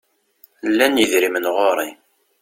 Llan yidrimen ɣur-i.